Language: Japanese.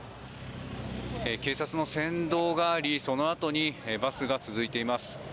警察の先導がありそのあとにバスが続いています。